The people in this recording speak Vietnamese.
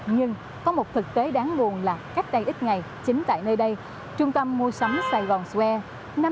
nhưng có một thực tế đáng buồn là cách đây ít ngày chính tại nơi đây trung tâm mua sắm saigon square